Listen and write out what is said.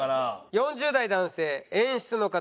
４０代男性演出の方。